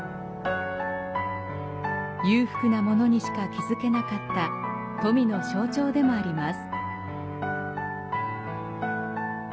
裕福な者にしか築けなかった富の象徴でもあります。